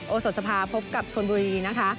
โสดสภาพบกับชนบุรีนะคะ